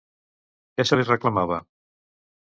Què se li reclamava?